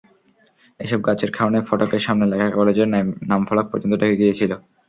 এসব গাছের কারণে ফটকের সামনে লেখা কলেজের নামফলক পর্যন্ত ঢেকে গিয়েছিল।